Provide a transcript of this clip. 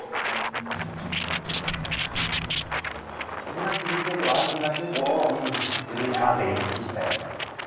みんなつる性ではあるんだけどグリーンカーテンに適した野菜。